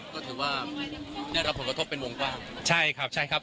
ก็ถือว่าได้รับผลกระทบเป็นวงกว้างใช่ครับใช่ครับ